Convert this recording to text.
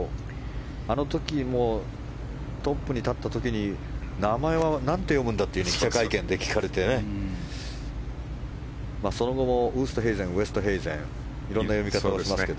あの時もトップに立った時に名前は何て読むんだって記者会見で聞かれてその後もウーストヘイゼンウエストヘイゼン色んな読み方をしていますが。